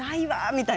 みたい